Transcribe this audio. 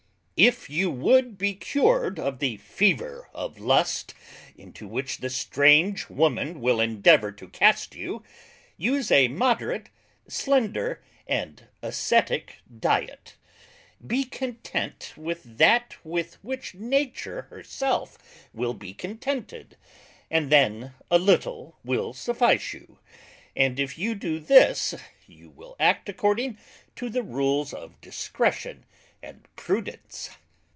If you would be cured of the Fever of Lust, into which the Strange Woman will endeavour to cast you, use a moderate, slender and ascetick Diet. Be content with that with which Nature her self wil be contented, and then a little will suffice you; and if you do this, you will act according to the Rules of Discretion and Prudence.